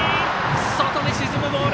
外に沈むボール。